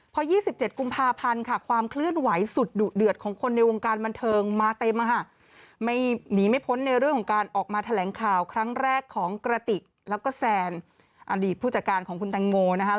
พอ๒๗กุมภาพันธ์ความเคลื่อนไหวสุดดุเดือดของคนในวงการบันเทิงมาเต็ม